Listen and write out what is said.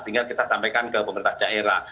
tinggal kita sampaikan ke pemerintah daerah